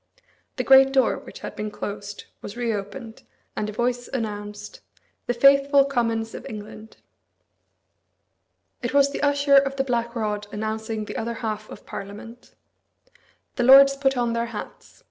The great door, which had been closed, was reopened; and a voice announced, "The faithful Commons of England." It was the Usher of the Black Rod announcing the other half of Parliament. The lords put on their hats.